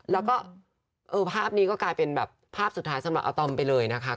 แล้วก็ภาพนี้ก็กลายเป็นแบบภาพสุดท้ายสำหรับอาตอมไปเลยนะคะ